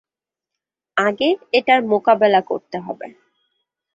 আগে এটার মোকাবেলা করতে হবে।